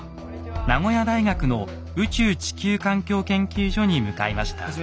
名古屋大学の宇宙地球環境研究所に向かいました。